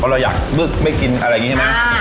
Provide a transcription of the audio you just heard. เพราะเราอยากไม่กินอะไรอย่างงี้ใช่มั้ย